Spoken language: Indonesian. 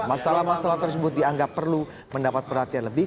masalah masalah tersebut dianggap perlu mendapat perhatian lebih